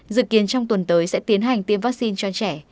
dự kiến trong tuần tới sẽ tiến hành tiêm vaccine cho trẻ